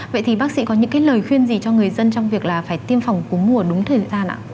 vậy thì bác sĩ có những cái lời khuyên gì cho người dân trong việc là phải tiêm phòng cúm mùa đúng thời gian ạ